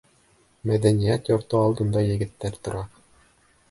Мәҙәниәт йорто алдында егеттәр тора.